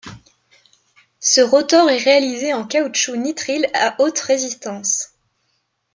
Ce rotor est réalisé en caoutchouc nitrile à haute résistance.